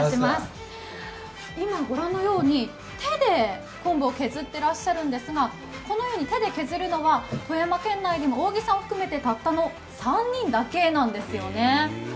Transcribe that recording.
今ご覧のように手で昆布を削ってらっしゃるんですがこのように手で削るのは、富山県内にも扇子さんを含めてたったの３人なんですよね。